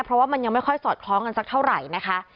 เพราะว่ามันยังไม่ค่อยสอดคล้องกันสักเท่าไหร่นะคะ